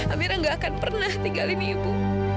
amira gak akan pernah tinggalin ibu